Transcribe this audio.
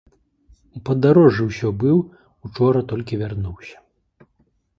У падарожжы ўсё быў, учора толькі вярнуўся.